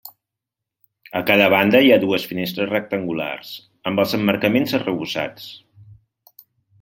A cada banda hi ha dues finestres rectangulars, amb els emmarcaments arrebossats.